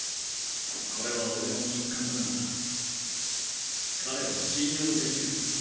これは俺の直感だが彼は信用できる。